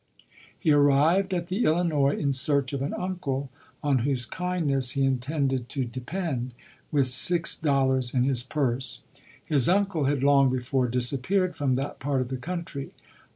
He arrived at the Illinois in search of an uncle, on whose kindness he intended to depend, with six LODORE. 51 dollars in his purse. J lis uncle bad long befoi disappeared from that part of the country.